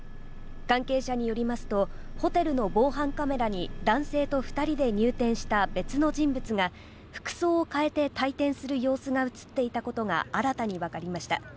関係者によりますと、ホテルの防犯カメラに男性と２人で入店した別の人物が服装を変えて退店する様子が映っていたことが新たにわかりました。